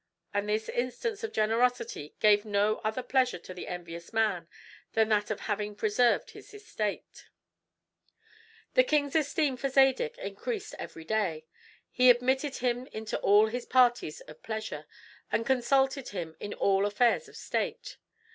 And this instance of generosity gave no other pleasure to the envious man than that of having preserved his estate. The king's esteem for Zadig increased every day. He admitted him into all his parties of pleasure, and consulted him in all affairs of state.